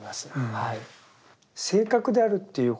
はい。